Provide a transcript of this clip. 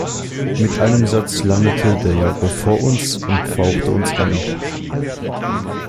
Mit einem Satz landete der Jaguar vor uns und fauchte uns an.